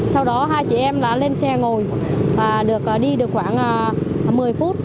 sau đó hai chị em đã lên xe ngồi và được đi được khoảng một mươi phút